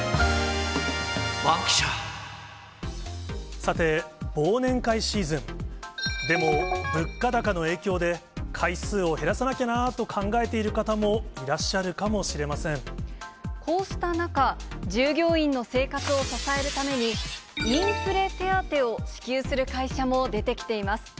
さて、忘年会シーズン、でも、物価高の影響で、回数を減らさなきゃなと考えている方も、いらっしゃるかもしれまこうした中、従業員の生活を支えるために、インフレ手当を支給する会社も出てきています。